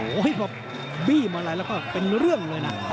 โอ้โหพอบี้มาอะไรแล้วก็เป็นเรื่องเลยนะ